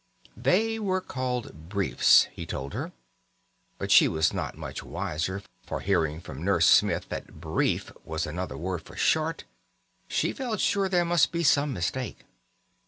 They were called "briefs", he told her. But she was not much wiser; for, hearing from Nurse Smith that "brief" was another word for short, she felt sure there must be some mistake.